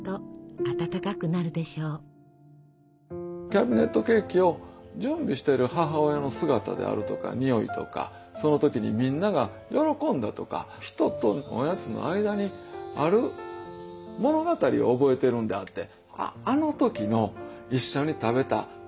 キャビネットケーキを準備している母親の姿であるとか匂いとかその時にみんなが喜んだとか人とおやつの間にある物語を覚えているんであって。